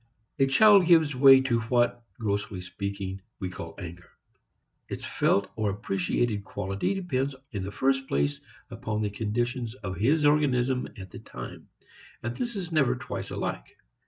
A child gives way to what, grossly speaking, we call anger. Its felt or appreciated quality depends in the first place upon the condition of his organism at the time, and this is never twice alike.